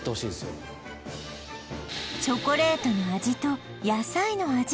チョコレートの味と野菜の味